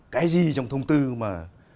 cái gì trong thông tư mà